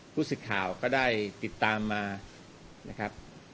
ผู้สื่อข่าวก็ได้ติดตามมานะครับ